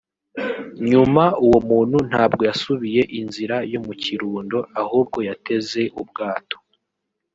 nyuma uwo muntu ntabwo yasubiye inzira yo mu Kirundo ahubwo yateze ubwato